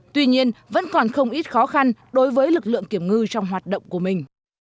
tuy nhiên vẫn còn không ít khó khăn đối với lực lượng kiểm ngư trong hoạt động của mình